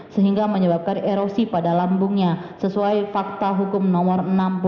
sehingga menyebabkan erosi pada lambungnya sesuai fakta hukum nomor enam puluh delapan